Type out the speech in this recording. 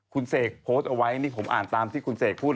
คุณเสกโพสต์เอาไว้นี่ผมอ่านตามที่คุณเสกพูด